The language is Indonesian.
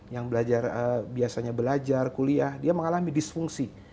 yang biasanya belajar kuliah dia mengalami disfungsi